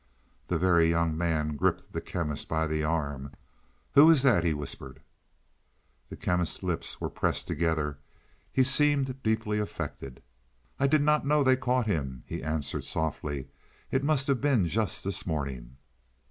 The Very Young Man gripped the Chemist by the arm. "Who is that?" he whispered. The Chemist's lips were pressed together; he seemed deeply affected. "I did not know they caught him," he answered softly. "It must have been just this morning."